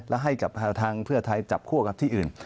และให้กับทางเพื่อไทยจับคั่วกับที่อื่น